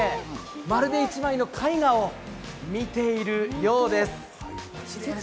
まるで１枚の絵画を見ているようです。